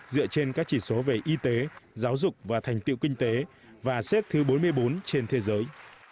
dựa trên các chỉ số về y tế giáo dục và thành tiệu kinh tế và xếp thứ bốn mươi bốn trên thế giới